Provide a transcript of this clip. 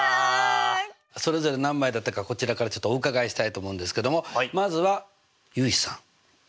それぞれ何枚だったかこちらからお伺いしたいと思うんですけどもまずは結衣さん。